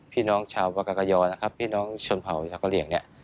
พี่น้องชาวมากาญยองนะครับพี่น้องชนเผ่าไกลเองเนี่ย